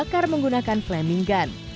dibakar menggunakan flaming gun